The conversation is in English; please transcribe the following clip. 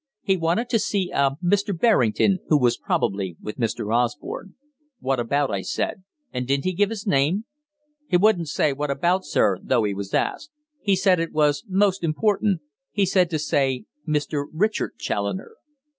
He wanted to see "a Mr. Berrington" who was probably with Mr. Osborne. "What about?" I said. "And didn't he give his name?" "He wouldn't say what about, sir, though he was asked. He said it was 'most important.' He said to say 'Mr. Richard Challoner.'"